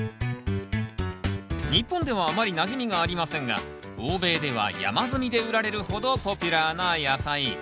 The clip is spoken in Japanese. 日本ではあまりなじみがありませんが欧米では山積みで売られるほどポピュラーな野菜。